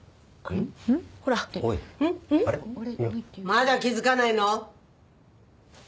まだ気づかないの？